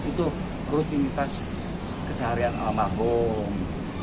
itu rutinitas keseharian alam agung